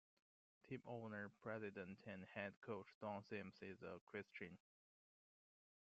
Team owner, president and head coach Don Sims is a Christian.